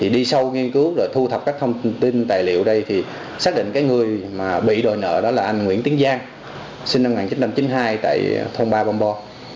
đi sâu nghiên cứu thu thập các thông tin tài liệu đây xác định người bị đòi nợ là anh nguyễn tiến giang sinh năm một nghìn chín trăm chín mươi hai tại thôn ba bông bò